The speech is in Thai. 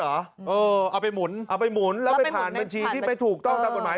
เอาไปหมุนเอาไปหมุนแล้วไปผ่านบัญชีที่ไม่ถูกต้องตามกฎหมาย